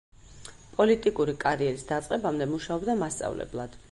პოლიტიკური კარიერის დაწყებამდე მუშაობდა მასწავლებლად.